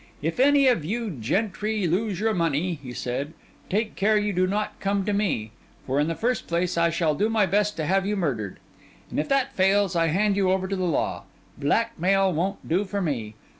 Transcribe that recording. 'If any of you gentry lose your money,' he said, 'take care you do not come to me; for in the first place, I shall do my best to have you murdered; and if that fails, I hand you over to the law. Blackmail won't do for me.